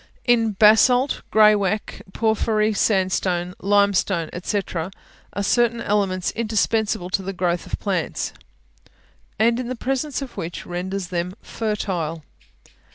In basalt, graywacke, porphyry, sandstone, limestone, &c., are certain elements indispensable to the growth of plants, and the presence of which renders them fertile.